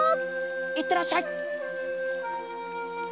いってらっしゃい！